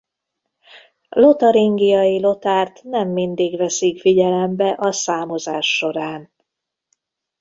Lotaringiai Lothárt nem mindig veszik figyelembe a számozás során.